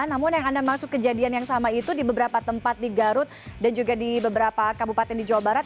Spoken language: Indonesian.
namun yang anda maksud kejadian yang sama itu di beberapa tempat di garut dan juga di beberapa kabupaten di jawa barat